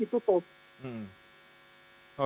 yang lain tetap berjalan